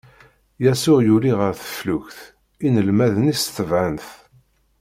Yasuɛ yuli ɣer teflukt, inelmaden-is tebɛen-t.